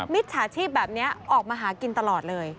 จฉาชีพแบบนี้ออกมาหากินตลอดเลย